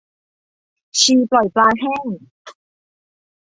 ชีปล่อยปลาแห้ง